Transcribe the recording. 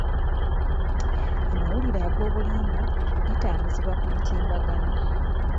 Amawulire ag'obulimba gatambuzibwa ku mutimbagano.